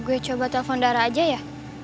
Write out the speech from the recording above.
gue coba telepon darah aja ya